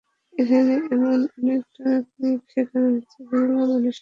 এখানে এমন অনেক টেকনিক শেখানো হচ্ছে, যেগুলো মানসিক শক্তি বাড়াতে সাহায্য করবে।